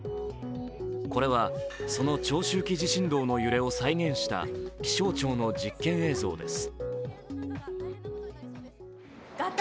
これはその長周期地震動の揺れを再現した気象庁の実験映像です。